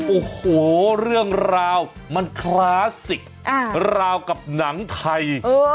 โอ้โหเรื่องราวมันคลาสสิกราวกับหนังไทย